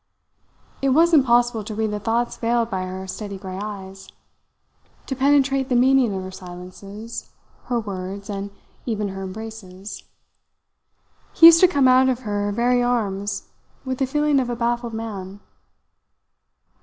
It was impossible to read the thoughts veiled by her steady grey eyes, to penetrate the meaning of her silences, her words, and even her embraces. He used to come out of her very arms with the feeling of a baffled man.